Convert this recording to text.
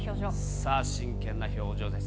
さあ、真剣な表情です。